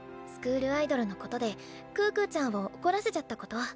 スクールアイドルのことで可可ちゃんを怒らせちゃったこと。